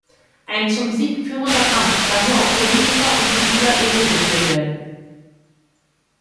Ein zum Sieg führender Kampf kann nur auf politischer und ziviler Ebene geführt werden.